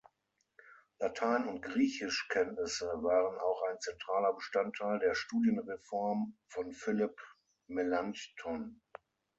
Latein- und Griechischkenntnisse waren auch ein zentraler Bestandteil der Studienreform von Philipp Melanchthon.